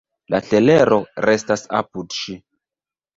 La telero restas apud ŝi.